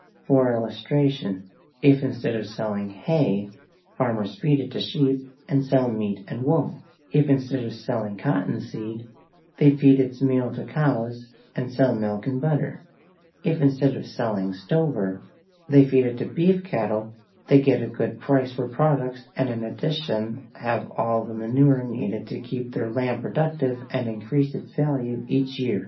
For illustration: if instead of selling hay, farmers feed it to sheep and sell meat and wool; if instead of selling cotton seed, they feed its meal to cows, and sell milk and butter; if instead of selling stover, they feed it to beef cattle, they get a good price for products and in addition have all the manure needed to keep their land productive and increase its value each year.